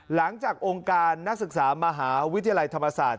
หลังจากองค์การนักศึกษามหาวิทยาลัยธรรมศาสตร์